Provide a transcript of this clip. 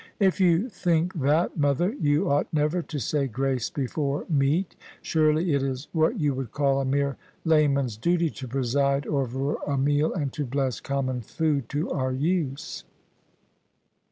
" If you think that, mother, you ought never to say grace before meat. Surely it is what you would call a mere layman's duty to preside over a meal and to bless common food to our use."